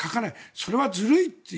それはずるいという。